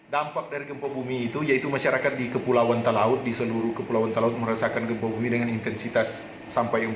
dampak dari gempa bumi itu yaitu masyarakat di kepulauan talaut di seluruh kepulauan talaut merasakan gempa bumi dengan intensitas sampai empat puluh